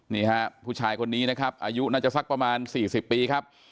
นี่ฮะผู้ชายคนนี้นะครับอายุน่าจะสักประมาณ๔๐ปีครับ